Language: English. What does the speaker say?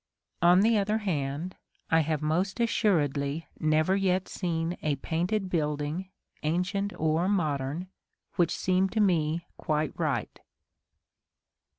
On the other hand, I have most assuredly never yet seen a painted building, ancient or modern, which seemed to me quite right.